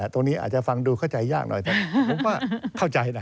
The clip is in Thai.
ตรงนี้อาจจะฟังดูเข้าใจยากหน่อยแต่ผมก็เข้าใจนะ